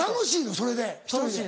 それで１人で。